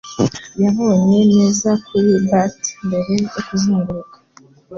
Yabonye neza kuri bat mbere yo kuzunguruka.